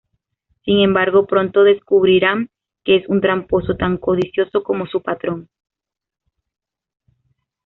Sin embargo, pronto descubrirán que es un tramposo tan codicioso como su patrón.